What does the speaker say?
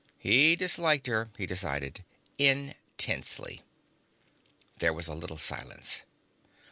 He disliked her, he decided, intensely. There was a little silence.